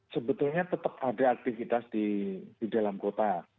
sebetulnya tetap ada aktivitas di dalam kota